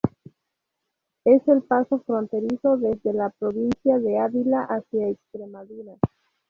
Es el paso fronterizo desde la provincia de Ávila hacia Extremadura.